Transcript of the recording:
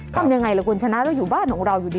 ทำอย่างไรล่ะคุณชนะล่ะอยู่บ้านของเราอยู่ดิ์